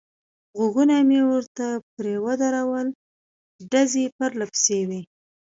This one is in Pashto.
غوږونه مې ورته پرې ودرول، ډزې پرله پسې وې.